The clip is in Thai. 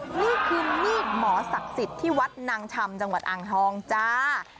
นี่คือมีดหมอศักดิ์สิทธิ์ที่วัดนางชำจังหวัดอ่างทองจ้า